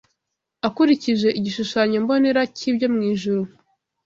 akurikije igishushanyombonera cy’ibyo mu ijuru